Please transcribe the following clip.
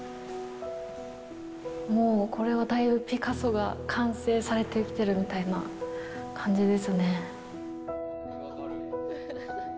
もうこれは大分ピカソが完成されていってるみたいな感じですね。